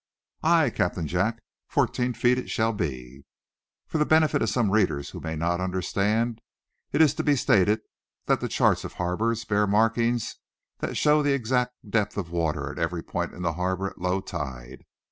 "Aye, Captain Jack. Fourteen feet it shall be." For the benefit of some readers who may not understand, it is to be stated that the charts of harbors bear markings that show the exact depth of water at every point in the harbor at low tide.